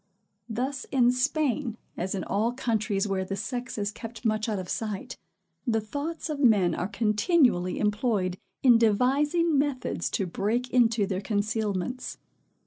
Thus in Spain, as in all countries where the sex is kept much out of sight, the thoughts of men are continually employed in devising methods to break into their concealments.